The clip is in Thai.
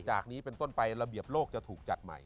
จากนี้เป็นต้นไประเบียบโลกจะถูกจัดใหม่